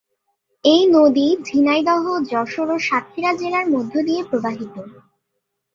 এই নদী ঝিনাইদহ, যশোর ও সাতক্ষীরা জেলার মধ্য দিয়ে প্রবাহিত।